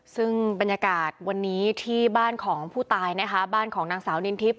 ซึ่งบรรยากาศวันนี้ที่บ้านของผู้ตายนะคะบ้านของนางสาวนินทิพย